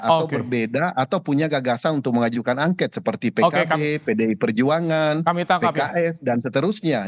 atau berbeda atau punya gagasan untuk mengajukan angket seperti pkb pdi perjuangan pks dan seterusnya